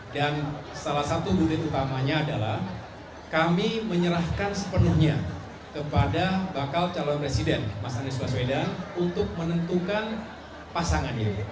dan salah satu butir utamanya adalah kami menyerahkan sepenuhnya kepada bakal calon presiden mas anies baswedan untuk menentukan pasangan itu